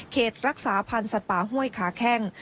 รักษาพันธ์สัตว์ป่าห้วยขาแข้ง